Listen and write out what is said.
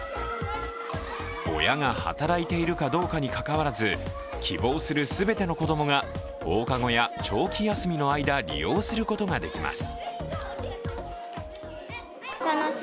親が働いているかどうかにかかわらず希望する全ての子供が放課後や長期休みの間、利用することができます。